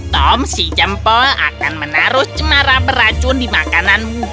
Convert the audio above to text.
tom si jempol akan menaruh cemara beracun di makananmu